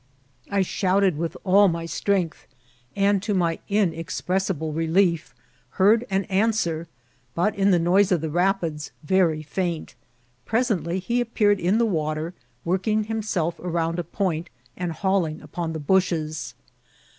I shouted with all my strength, and, to my inexpressible relief, heard an an swer, but, in the noise of the rapids, very faint ; pres ently he appeared in the water, working himself around a point, and hauling upon the bushes.